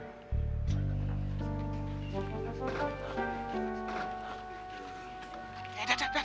eh dah dah dah